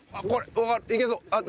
いけそう。